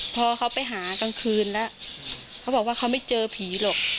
พอเขาไปหากลางคืนแล้วเขาบอกว่าเขาไม่เจอผีหรอก